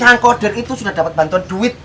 orang koder itu sudah dapat bantuan duit